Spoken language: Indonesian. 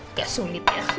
oh kayak sulit ya